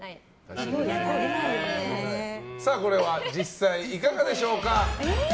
これは実際いかがでしょうか？